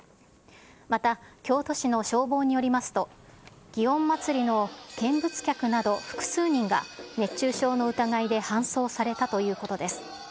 また京都市の消防によりますと、祇園祭の見物客など複数人が、熱中症の疑いで搬送されたということです。